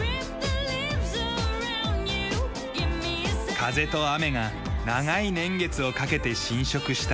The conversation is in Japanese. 風と雨が長い年月をかけて浸食した奇岩。